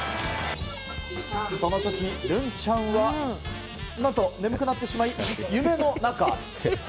その時、るんちゃんは何と眠くなってしまい夢の中。